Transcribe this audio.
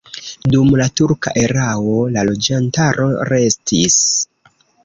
Dum la turka erao la loĝantaro restis.